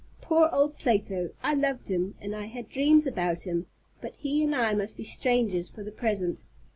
Poor old Plato! I loved him, and I had dreams about him; but he and I must be strangers for the present.